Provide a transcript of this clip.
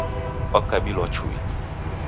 Wakabilwa chui